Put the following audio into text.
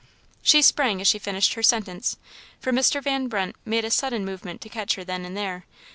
She sprang as she finished her sentence, for Mr. Van Brunt made a sudden movement to catch her then and there.